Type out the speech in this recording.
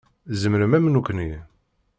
Zemren am nekni.